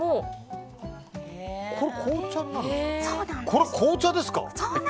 これ、紅茶ですか？